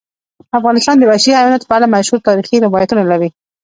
افغانستان د وحشي حیواناتو په اړه مشهور تاریخی روایتونه لري.